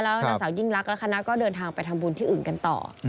แล้วนางสาวยิ่งรักและคณะก็เดินทางไปทำบุญที่อื่นกันต่อ